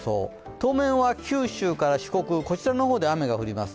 当面は九州から四国、こちらの方で雨が降ります。